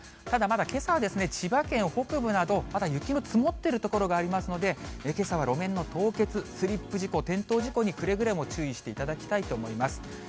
ただまだけさは、千葉県北部など、まだ雪の積もっている所がありますので、けさは路面の凍結、スリップ事故、転倒事故にくれぐれも注意していただきたいと思います。